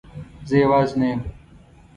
زه یوازی نه یم